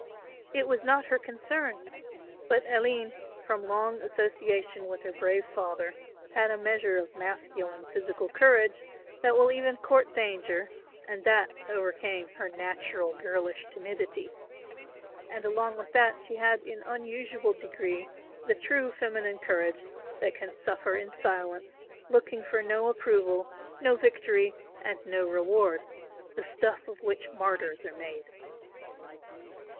It was not her concern. But Aline from long association with her brave father had a measure of masculine physical courage that will even court danger and that overcame her natural girlish timidity, and along with that she had in unusual degree the true feminine courage that can suffer in silence looking for no approval, no victory and no reward, the stuff of which martyrs are made.